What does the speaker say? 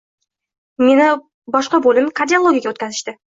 Meni boshqa bo`lim, kardiologiyaga o`tkazishdi